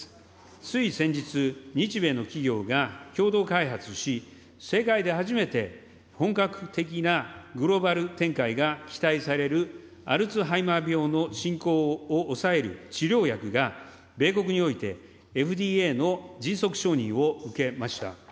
つい先日、日米の企業が共同開発し、世界で初めて本格的なグローバル展開が期待される、アルツハイマー病の進行を抑える治療薬が、米国においてＦＤＡの迅速承認を受けました。